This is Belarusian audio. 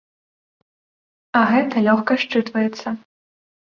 А гэта лёгка счытваецца.